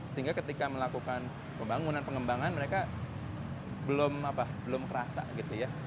sehingga ketika melakukan pembangunan pengembangan mereka belum kerasa gitu ya